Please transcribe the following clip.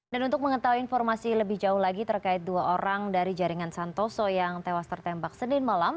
dan untuk mengetahui informasi lebih jauh lagi terkait dua orang dari jaringan santoso yang tewas tertembak senin malam